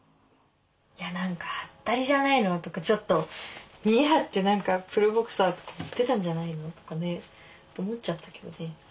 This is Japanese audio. いや何かハッタリじゃないのとかちょっと見え張ってプロボクサーとか言ってたんじゃないのとかね思っちゃったけどね。